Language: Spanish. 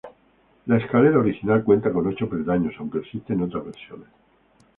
La escalera original cuenta con ocho peldaños, aunque existen otras versiones.